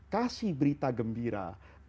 kasih berita gembira